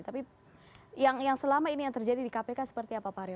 tapi yang selama ini yang terjadi di kpk seperti apa pak arief